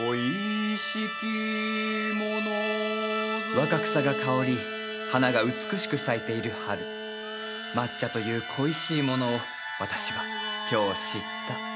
若草が香り花が美しく咲いている春抹茶という恋しいものを私は今日知った。